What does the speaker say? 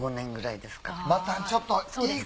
またちょっと。